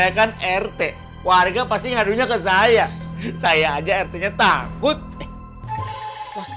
akan rt warga pasti adunya ke zayang saya j bacterial who toilet